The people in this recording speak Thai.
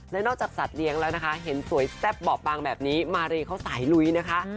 และนอกจากสัตว์เลี้ยงแล้วนะคะเห็นสวยแซ่บบ่อปางแบบนี้มารีเขาสายลุยนะคะ